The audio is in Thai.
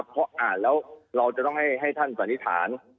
เพราะอ่านแล้วเราจะต้องให้ท่านสันนิษฐาน